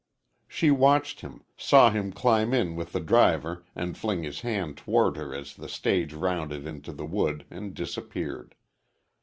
She watched him, saw him climb in with the driver and fling his hand toward her as the stage rounded into the wood and disappeared.